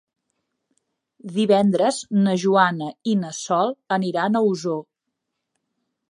Divendres na Joana i na Sol aniran a Osor.